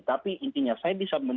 tapi intinya saya bisa berkata ini